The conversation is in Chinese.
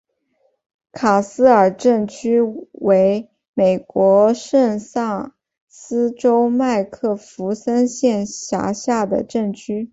卡斯尔镇区为美国堪萨斯州麦克弗森县辖下的镇区。